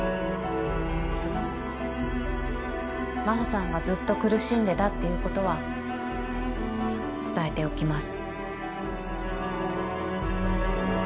真帆さんがずっと苦しんでたっていうことは伝えておきます。